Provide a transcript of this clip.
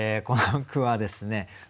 この句はですね